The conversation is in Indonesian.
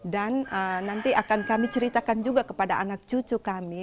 dan nanti akan kami ceritakan juga kepada anak cucu kami